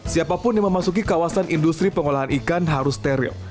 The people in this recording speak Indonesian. siapapun yang memasuki kawasan industri pengolahan ikan harus steril